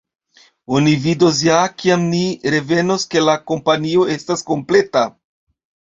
Oni vidos ja, kiam ni revenos, ke la kompanio estas kompleta.